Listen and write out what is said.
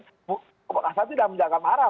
saya tidak akan marah